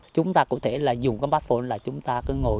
chúng ta có thể dùng bát phôn là chúng ta cứ ngồi